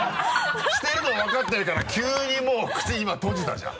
してるの分かってるから急にもう口今閉じたじゃん！